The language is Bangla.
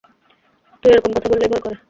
তুই এরকম কথা বললেই ভয় করে।